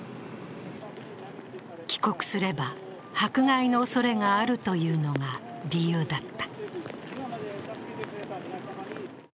帰国すれば迫害のおそれがあるというのが理由だった。